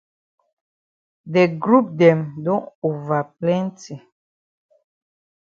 De group dem don ova plenti.